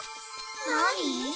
なに？